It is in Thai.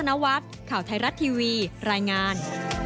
สวัสดีครับ